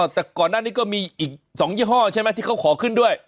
แต่ก่อนหน้านี้ก็มีอีก๒ยี่ห้อใช่ไหมที่เขาขอขึ้นด้วย